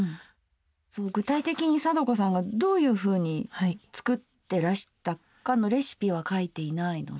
そう具体的に貞子さんがどういうふうに作ってらしたかのレシピは書いていないので。